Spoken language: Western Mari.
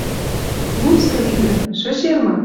Луцкы литрӹм! Шӹшер ма?